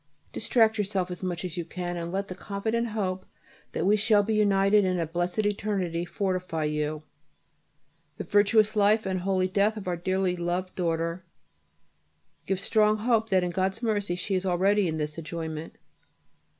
Distract yourself as much as you can and let the confident hope that we shall be united in a blessed eternity fortify you. The virtuous life and holy death of our dearly loved daughter gives strong hope that in God's mercy she is already in this enjoyment.